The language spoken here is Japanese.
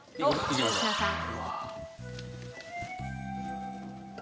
粗品さん。